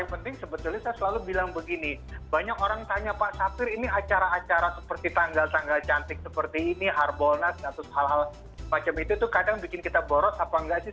yang penting sebetulnya saya selalu bilang begini banyak orang tanya pak safir ini acara acara seperti tanggal tanggal cantik seperti ini harbolnas atau hal hal macam itu tuh kadang bikin kita boros apa enggak sih